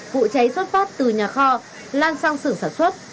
vụ cháy xuất phát từ nhà kho lan sang sưởng sản xuất